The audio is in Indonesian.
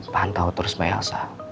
pantau terus pak elsa